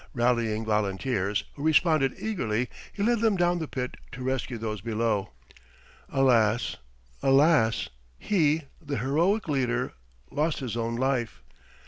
Rallying volunteers, who responded eagerly, he led them down the pit to rescue those below. Alas, alas, he the heroic leader lost his own life.